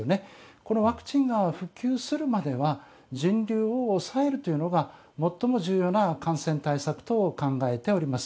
このワクチンが普及するまでは人流を抑えるのが最も重要な感染対策と考えております。